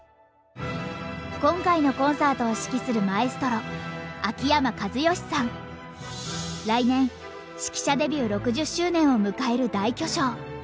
今回のコンサートを指揮する来年指揮者デビュー６０周年を迎える大巨匠。